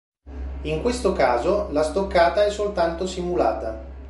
In questo caso, la stoccata è soltanto simulata.